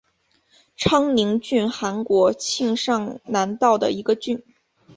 昌宁郡韩国庆尚南道的一个郡。